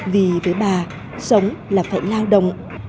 vì với bà sống là phải lao động